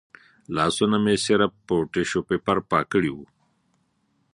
لاسونه مې صرف په ټیشو پیپر پاک کړي و.